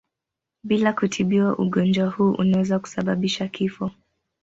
Bila kutibiwa ugonjwa huu unaweza kusababisha kifo.